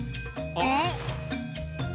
あっ！